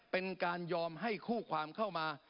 เป็นการยอมให้คู่ความเข้ามา